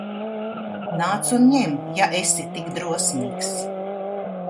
Nāc un ņem, ja esi tik drosmīgs!